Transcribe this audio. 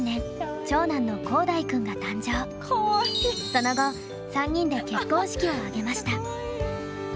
その後３人で結婚式を挙げました。